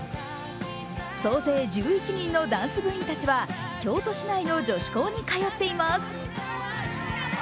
総勢１１人のダンス部員たちは京都市内の女子高に通っています。